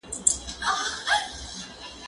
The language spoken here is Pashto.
زه له سهاره شګه پاکوم؟!